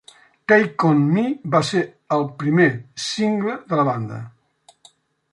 "Take On Me" va ser el primer single de la banda.